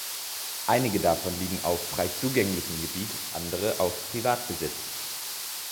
Einige davon liegen auf frei zugänglichem Gebiet, andere auf Privatbesitz.